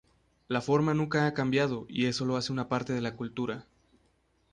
La forma nunca ha cambiado y eso lo hace una parte de la cultura.